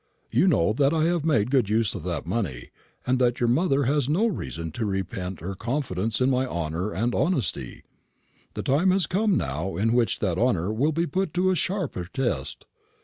You know that I have made good use of that money, and that your mother has had no reason to repent her confidence in my honour and honesty. The time has now come in which that honour will be put to a sharper test.